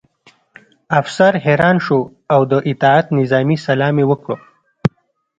افسر حیران شو او د اطاعت نظامي سلام یې وکړ